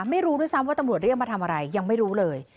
ไม่รู้ด้วยซ้ำว่าตำรวจเรียกมาทำอะไรยังไม่รู้เลย